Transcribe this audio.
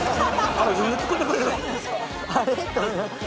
あれ？と思いました